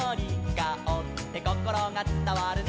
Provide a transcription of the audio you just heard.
「カオってこころがつたわるね」